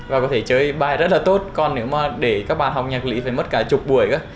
và có thể chơi bài rất là tốt còn nếu mà để các bạn học nhạc lý phải mất cả chục buổi